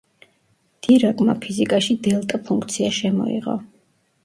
დირაკმა ფიზიკაში დელტა–ფუნქცია შემოიღო.